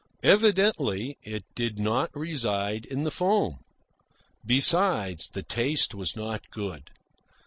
Evidently it did not reside in the foam. Besides, the taste was not good.